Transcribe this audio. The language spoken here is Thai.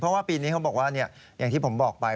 เพราะว่าปีนี้เขาบอกว่าอย่างที่ผมบอกไป